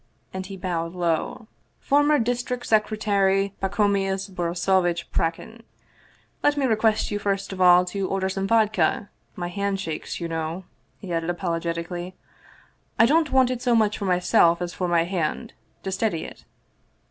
and he bowed low; " Former District Secretary Pacomius Borisovitch Prak kin. Let me request you first of all to order some vodka; my hand shakes, you know," he added apologetically. " I don't want it so much for myself as for my hand to steady it."